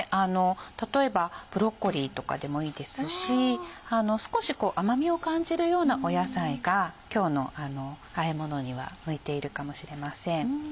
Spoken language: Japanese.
例えばブロッコリーとかでもいいですし少し甘みを感じるような野菜が今日のあえものには向いているかもしれません。